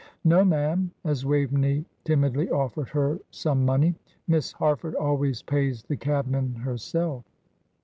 No, ma'am," as Waveney timidly offered her some money. "Miss Harford always pays the cabmen herself."